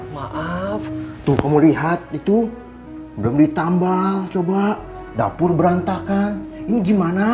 maaf tuh kamu lihat itu belum ditambah coba dapur berantakan ini gimana